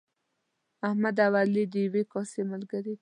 احمد او علي د یوې کاسې ملګري دي.